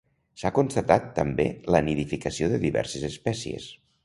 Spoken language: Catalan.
S'ha constatat també la nidificació de diverses espècies.